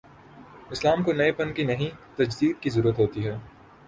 اسلام کو نئے پن کی نہیں، تجدید کی ضرورت ہو تی ہے۔